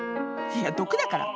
いや毒だから！